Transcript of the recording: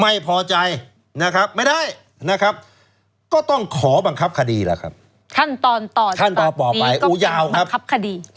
ไม่พอใจไม่ได้ก็ต้องขอบังคับคดีละขั้นตอนต่อกลับไปก็สิ่งบังคับคฎี